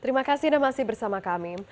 terima kasih anda masih bersama kami